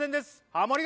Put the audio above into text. ハモリ